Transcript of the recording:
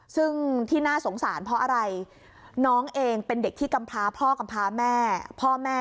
ซึ่งที่น่าสงสารเพราะอะไรน้องเองเป็นเด็กที่กำพาพ่อกำพาแม่พ่อแม่